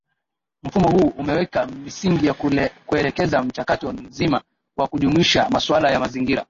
Mfumo huu umeweka misingi ya kuelekeza mchakato mzima wa kujumuisha masuala ya mazingira